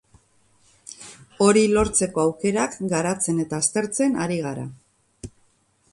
Hori lortzeko aukerak garatzen eta aztertzen ari gara.